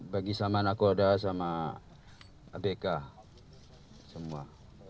bagi saman akurada sama abk semua